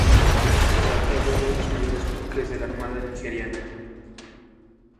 Se trata de uno de los mayores buques de la Armada Nigeriana.